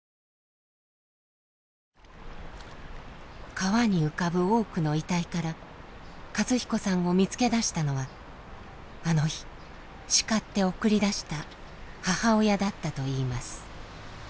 川に浮かぶ多くの遺体から寿彦さんを見つけ出したのはあの日叱って送り出した母親だったといいます。